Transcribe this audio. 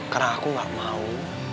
karena aku gak mau